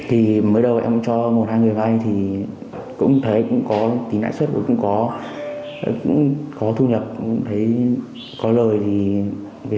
hãy đăng ký kênh để ủng hộ kênh của chúng mình nhé